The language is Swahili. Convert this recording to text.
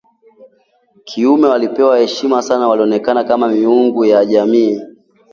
kiume walipewa heshima sana na walionekana kama ‘miungu’ ya jamii